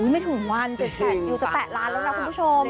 ไม่ถึงวัน๗๘คิวจะแตะล้านแล้วนะคุณผู้ชม